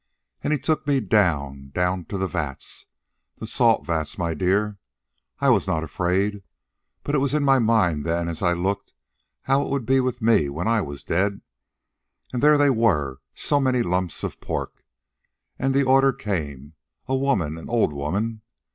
And he took me down, down to the vats. The salt vats, my dear. I was not afraid. But it was in my mind, then, as I looked, how it would be with me when I was dead. And there they were, so many lumps of pork. And the order came, 'A woman; an old woman.'